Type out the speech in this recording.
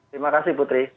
terima kasih putri